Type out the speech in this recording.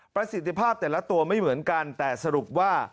ประสิทธิภาพแต่ละตัวไม่เหมือนกันแต่สรุปว่า